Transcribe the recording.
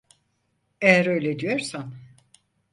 Eğer öyle diyorsan.